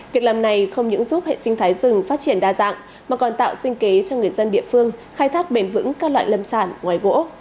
việc làm này không những giúp hệ sinh thái rừng phát triển đa dạng mà còn tạo sinh kế cho người dân địa phương khai thác bền vững các loại lâm sản ngoài gỗ